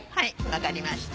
分かりました。